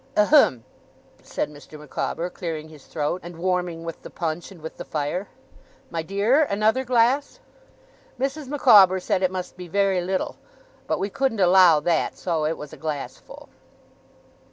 'Ahem!' said Mr. Micawber, clearing his throat, and warming with the punch and with the fire. 'My dear, another glass?' Mrs. Micawber said it must be very little; but we couldn't allow that, so it was a glassful.